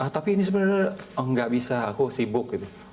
tapi ini sebenarnya nggak bisa aku sibuk gitu